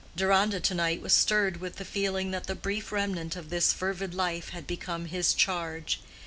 Deronda to night was stirred with the feeling that the brief remnant of this fervid life had become his charge.